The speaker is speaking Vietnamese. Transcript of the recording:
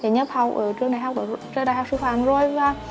nhập học ở trường đại học sự phạm rồi và